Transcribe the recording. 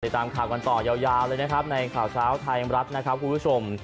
ตามข่าวกันต่อยาวเลยนะครับในข่าวเช้าไทยรัฐนะครับคุณผู้ชม